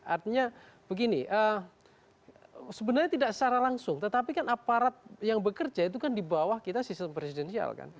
artinya begini sebenarnya tidak secara langsung tetapi kan aparat yang bekerja itu kan di bawah kita sistem presidensial kan